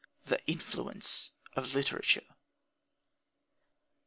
The influence of literature!